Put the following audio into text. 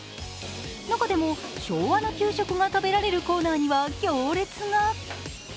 中でも昭和の給食が食べられるコーナーには行列が。